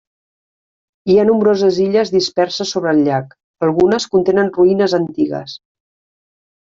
Hi ha nombroses illes disperses sobre el llac, algunes contenen ruïnes antigues.